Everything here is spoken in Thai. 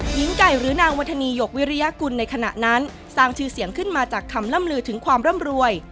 หญิงไก่หรือนางวัฒนีหยกวิริยกุลในขณะนั้นสร้างชื่อเสียงขึ้นมาจากคำล่ำลือถึงความร่ำรวย